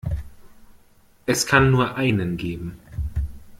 Es kann nur einen geben!